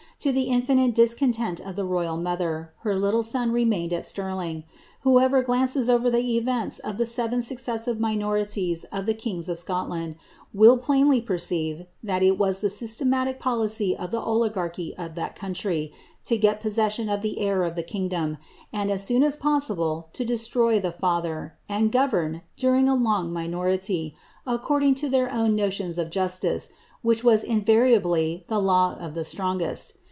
To the infinite discontent of the royal mother, her little son remained at Stirling. Whoever giances over the events of the seven successive minorities of the kings of Scodand, will plainly perceive that it was the systematic policy of the oligarchy of that country to get possession of the heir of the kingdom, and, as soon as possible, to destroy the father/ and govern, during a long minority, according to their own notions of justice, which was in * variably the law of the strongest.